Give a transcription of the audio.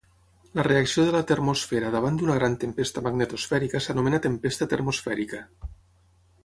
La reacció de la termosfera davant d'una gran tempesta magnetosfèrica s'anomena tempesta termosfèrica.